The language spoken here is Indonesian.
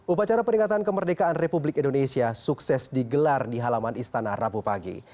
upacara peringatan kemerdekaan republik indonesia sukses digelar di halaman istana rabu pagi